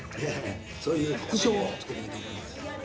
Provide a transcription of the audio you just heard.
そういう副賞をつけたいと思います。